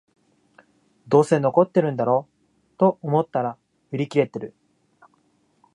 どうせ残ってんだろと思ったら売り切れてる